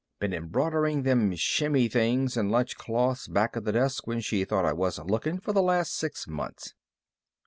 Been embroidering them shimmy things and lunch cloths back of the desk when she thought I wasn't lookin' for the last six months."